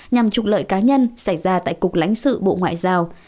nhằm trục lợi cá nhân xảy ra tại cục lãnh sự bộ ngoại giao